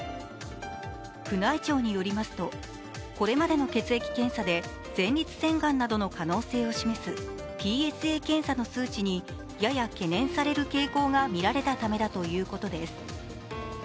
宮内庁によりますと、これまでの血液検査で前立腺がんなどの可能性を示すＰＳＡ検査の数値にやや懸念される傾向が見られたためだということです。